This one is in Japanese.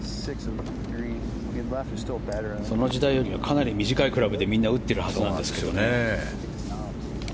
その時代よりかなり短いクラブで、みんな打っているはずなんですが。